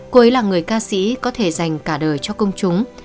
cô ấy là người ca sĩ có thể dành cả đời cho công chúng